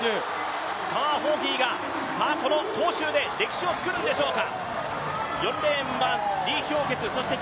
ホーヒーが杭州で歴史を作るんでしょうか。